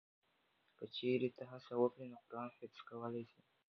که چېرې ته هڅه وکړې نو قرآن حفظ کولی شې.